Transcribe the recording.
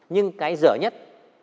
nhưng cái dở nhất